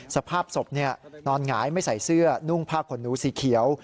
สภาพศพนอนหงายไม่ใส่เสื้อนุ่งผ้าขนหนูสีเขียว